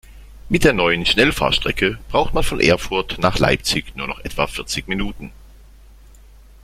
Mit der neuen Schnellfahrstrecke braucht man von Erfurt nach Leipzig nur noch etwa vierzig Minuten